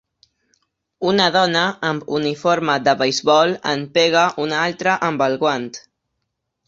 Una dona amb uniforme de beisbol en pega una altra amb el guant.